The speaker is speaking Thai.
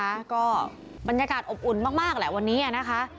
แล้วก็บรรยากาศอบอุ่นมากแหละวันนี้นะคะ